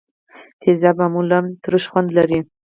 تیزاب معمولا ترش خوند لري.